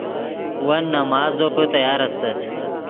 ون نماز زوپے تیار استت